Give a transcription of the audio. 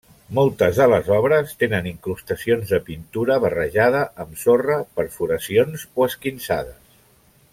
Moltes de les obres tenen incrustacions de pintura barrejada amb sorra, perforacions o esquinçades.